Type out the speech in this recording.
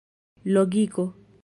logiko